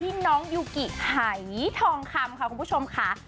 น้องยูกิหายทองคำค่ะคุณผู้ชมค่ะ